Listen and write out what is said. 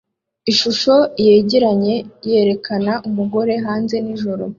Ishusho yegeranye yerekana umugore hanze nijoro